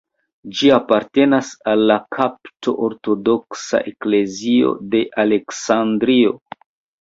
Ĝi apartenas al la Kopta Ortodoksa Eklezio de Aleksandrio.